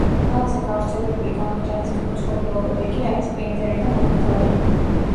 ყველაზე გავრცელებული გამოტანის მოწყობილობები კი არის პრინტერი და მონიტორი.